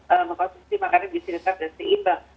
untuk mengkonsumsi makanan gizi tetap dan seimbang